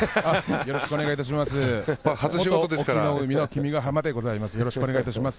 よろしくお願いします。